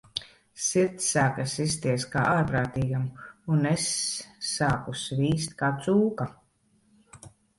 Sirds sāka sisties kā ārprātīgam, un es sāku svīst kā cūka.